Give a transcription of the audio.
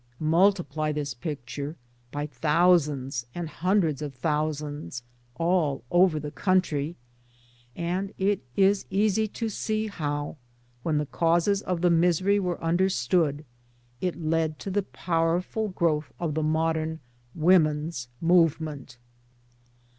Multiply this picture by thousands and hundreds of thousands all over the country, and it is easy to see how, when the causes of the misery were understood, it led to the powerful growth of the modern " Women's Movement."